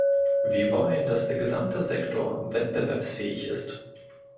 Wir wollen, dass der gesamte Sektor wettbewerbsfähig ist.